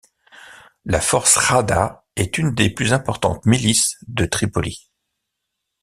La Force Rada est une des plus importantes milices de Tripoli.